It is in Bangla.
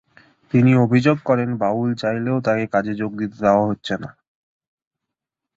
তিনি অভিযোগ করেন, বাবুল চাইলেও তাঁকে কাজে যোগ দিতে দেওয়া হচ্ছে না।